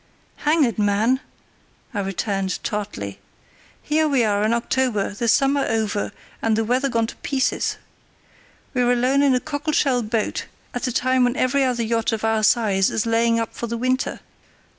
"Hang it, man!" I returned, tartly, "here we are in October, the summer over, and the weather gone to pieces. We're alone in a cockle shell boat, at a time when every other yacht of our size is laying up for the winter.